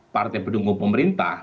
partai pendukung pemerintah